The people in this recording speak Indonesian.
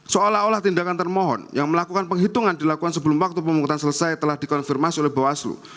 seolah olah tindakan termohon yang melakukan penghitungan dilakukan sebelum waktu pemungutan selesai telah dikonfirmasi oleh bawaslu